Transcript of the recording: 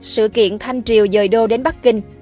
sự kiện thanh triều dời đô đến bắc kinh